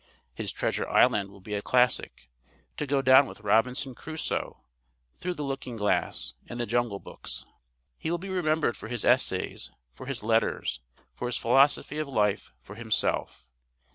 His Treasure Island will be a classic, to go down with Robinson Crusoe, Through the Looking Glass, and The Jungle Books. He will be remembered for his essays, for his letters, for his philosophy of life, for himself.